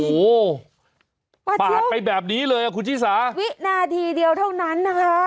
โอ้โหปาดไปแบบนี้เลยคุณชิสาวินาทีเดียวเท่านั้นนะคะ